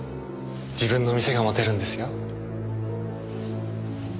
自分の店が持てるんですよ。